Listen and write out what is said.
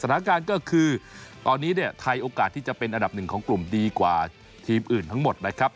สถานการณ์ก็คือตอนนี้เนี่ยไทยโอกาสที่จะเป็นอันดับหนึ่งของกลุ่มดีกว่าทีมอื่นทั้งหมดนะครับ